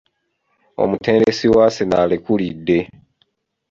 Omutendesi wa Arsenal alekulidde.